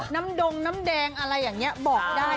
ดงน้ำแดงอะไรอย่างนี้บอกได้